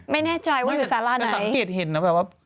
ไม่แน่ใจว่าอยู่สาราไหนสังเกตเห็นนะแบบว่า